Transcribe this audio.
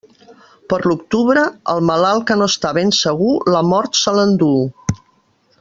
Per l'octubre, el malalt que no està ben segur, la mort se l'enduu.